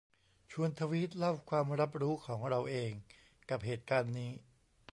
ชวนทวีตเล่าความรับรู้ของเราเองกับเหตุการณ์นี้